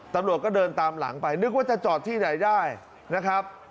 ตำรวจก็เดินตามหลังไปนึกว่าจะจอดที่ไหนได้นะครับ